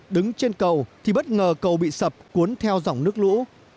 đứng trên cầu thì bất ngờ cầu bị sập cuốn theo dòng nước lũ